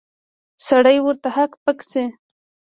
سړی ورته هک پک شي.